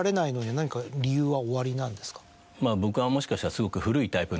僕はもしかしたらすごく。